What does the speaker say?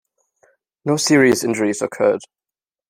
No serious injuries occurred.